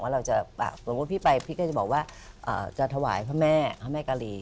เราจะสมมุติพี่ไปพี่ก็จะบอกว่าจะถวายพระแม่พระแม่กาลี